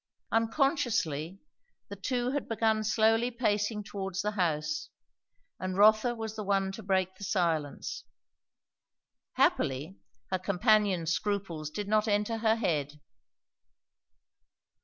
Unconsciously, the two had begun slowly pacing towards the house, and Rotha was the one to break the silence. Happily, her companion's scruples did not enter her head.